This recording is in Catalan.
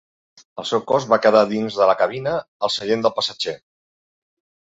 El seu cos va quedar dins de la cabina, al seient del passatger.